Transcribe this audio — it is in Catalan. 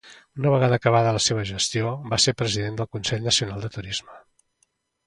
Una vegada acabada la seva gestió, va ser president del Consell Nacional de Turisme.